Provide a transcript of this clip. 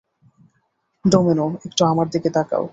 Domino, একটু আমার দিকে তাকাও।